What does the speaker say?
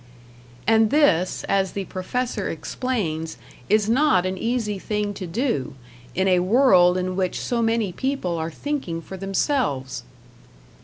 And this, as the professor explains, is not an easy thing to do, in a world in which so many people are thinking for themselves.